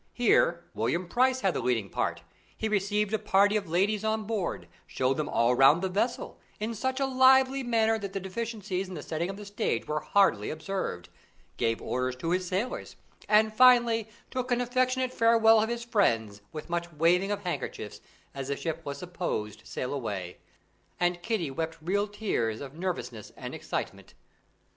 Here William Price had the leading part; he received a party of ladies on board, showed them all round the vessel, in such a lively manner that the deficiencies in the setting of the stage were hardly observed, gave orders to his sailors, and finally took an affectionate farewell of his friends, with much waving of handkerchiefs as the ship was supposed to sail away, and Kitty wept real tears of nervousness and excitement.